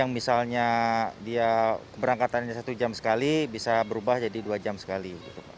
misalnya dia keberangkatannya satu jam sekali bisa berubah jadi dua jam sekali